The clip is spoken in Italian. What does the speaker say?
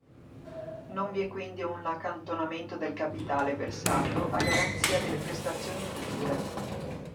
Non vi è quindi un accantonamento del capitale versato a garanzia delle prestazioni future.